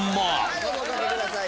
はいどうぞおかけください